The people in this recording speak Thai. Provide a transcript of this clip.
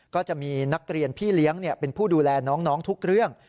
ก็จะมีนักเรียนพี่เลี้ยงเป็นผู้ดูแลน้องทุกเรื่อง